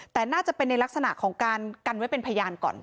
แต่น่าจะเป็นในลักษณะของการกันไว้เป็นพยานก่อน